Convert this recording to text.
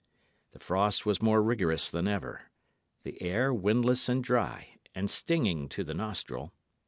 The frost was more rigorous than ever; the air windless and dry, and stinging to the nostril.